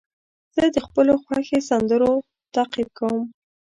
زه د خپلو خوښې سندرغاړو تعقیب کوم.